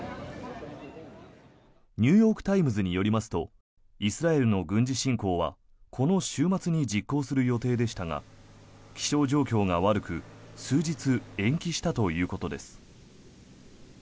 ニューヨーク・タイムズによりますとイスラエルの軍事侵攻はこの週末に実行する予定でしたが気象状況が悪く数日延期したということです。